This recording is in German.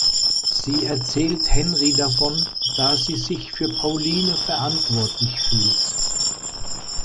Sie erzählt Henri davon, da sie sich für Pauline verantwortlich fühlt.